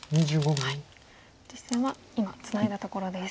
実戦は今ツナいだところです。